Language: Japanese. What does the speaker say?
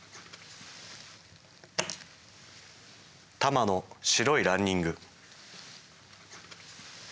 たまの白いランニング。